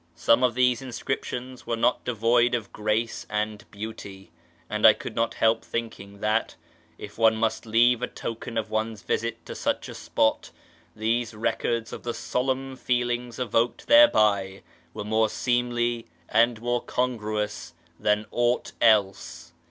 Some 254 A YEAR AMONGST THE PERSIANS of these inscriptions were not devoid of grace and beauty, and I could not liel}) thinking that, if one must leave a token of one's visit to such a spot, these records of the solemn feelings evoked thereby were more seemly and more congruous than aught else.